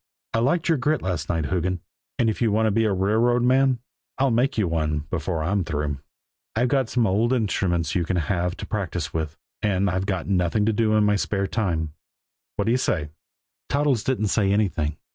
"I liked your grit last night, Hoogan. And if you want to be a railroad man, I'll make you one before I'm through. I've some old instruments you can have to practice with, and I've nothing to do in my spare time. What do you say?" Toddles didn't say anything.